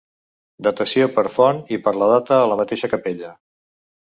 Datació per font i per la data a la mateixa capella.